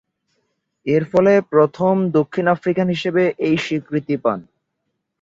এরফলে প্রথম দক্ষিণ আফ্রিকান হিসেবে এ স্বীকৃতি পান।